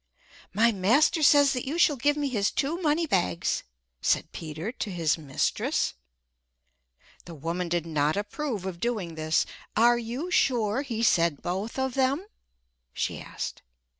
"My master says that you shall give me his two money bags," said Peter to his mistress. The woman did not approve of doing this. "Are you sure he said both of them?" she asked.